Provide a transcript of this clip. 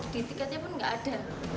di tiketnya pun nggak ada